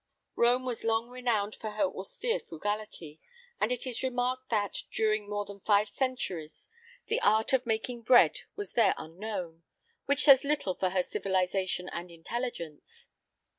_" Rome was long renowned for her austere frugality, and it is remarked that, during more than five centuries, the art of making bread was there unknown, which says little for her civilisation and intelligence.